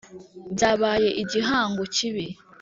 Byabaye igihango kibi